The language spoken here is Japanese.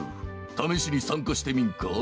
ためしにさんかしてみんか？